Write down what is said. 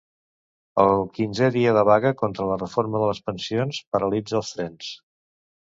El quinzè dia de vaga contra la reforma de les pensions paralitza els trens.